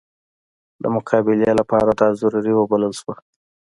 د مقابلې لپاره دا ضروري وبلله شوه.